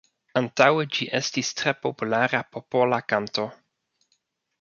Antaŭe ĝi estis tre populara popola kanto.